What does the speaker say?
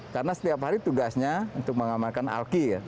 karena setiap hari tugasnya untuk mengamalkan alki